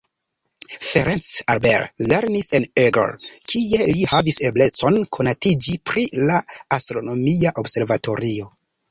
Ferenc Albert lernis en Eger, kie li havis eblecon konatiĝi pri la astronomia observatorio.